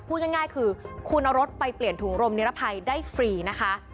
พูดง่ายคือคุณเอารถไปเปลี่ยนถุงรมนิรภัยได้ฟรีนะคะ